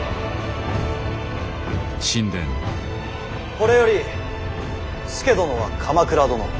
これより佐殿は鎌倉殿。